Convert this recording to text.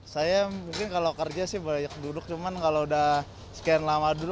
saya mungkin kalau kerja sih banyak duduk cuman kalau udah sekian lama dulu